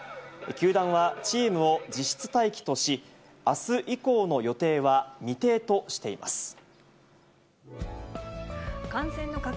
球団はチームを自室待機とし、あす以降の予定は未定としています。